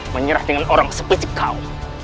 menyerah dengan orang sepecip kau